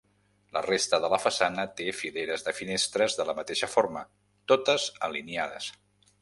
La resta de la façana té fileres de finestres de la mateixa forma, totes alineades.